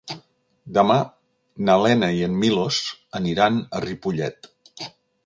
Demà na Lena i en Milos aniran a Ripollet.